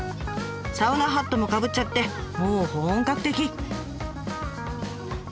サウナハットもかぶっちゃってもう本格的。